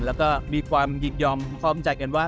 แล้วก็มีความยินยอมพร้อมใจกันว่า